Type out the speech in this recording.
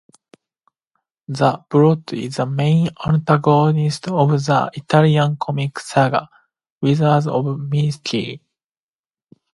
The Blot is the main antagonist of the Italian comic saga "Wizards of Mickey".